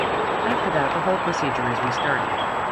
After that, the whole procedure is restarted.